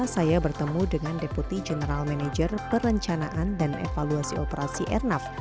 saya bertemu dengan deputi general manager perencanaan dan evaluasi operasi airnav